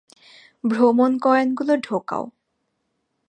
ভ্রমণ কয়েনগুলো ঢোকাও।